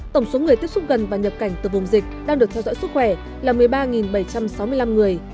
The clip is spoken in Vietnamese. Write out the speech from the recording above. tổng số người tiếp xúc gần và nhập cảnh từ vùng dịch đang được theo dõi sức khỏe là một mươi ba bảy trăm sáu mươi năm người